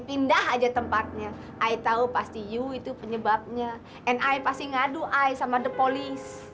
pindah aja tempatnya i tahu pasti you itu penyebabnya ni pasti ngadu i sama the police